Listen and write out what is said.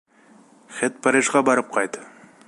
Хет Парижға барып ҡайт.